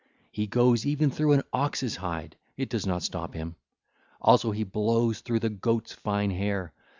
He goes even through an ox's hide; it does not stop him. Also he blows through the goat's fine hair.